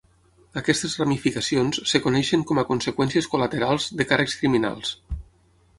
Aquestes ramificacions es coneixen com a conseqüències col·laterals de càrrecs criminals.